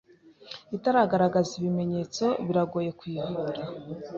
itaragaragaza ibimenyetso biragora kuyivura